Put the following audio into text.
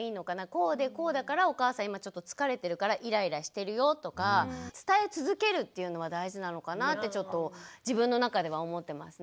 こうでこうだからお母さん今ちょっと疲れてるからイライラしてるよとか伝え続けるっていうのは大事なのかなってちょっと自分の中では思ってますね。